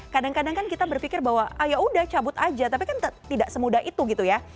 kadang kadang kan kita berpikir bahwa ya udah cabut aja tapi kan tidak semudah itu gitu ya